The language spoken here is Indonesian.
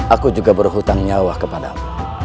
aku juga berhutang nyawa kepadamu